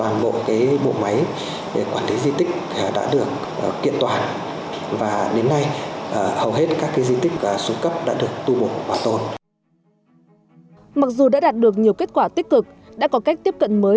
mặc dù đã đạt được nhiều kết quả tích cực đã có cách tiếp cận mới